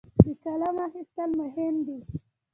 د قلم اخیستل مهم دي.